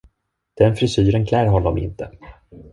Den frisyren klär honom inte.